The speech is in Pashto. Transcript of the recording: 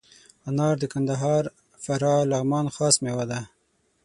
انار د کندهار، فراه، لغمان خاص میوه ده.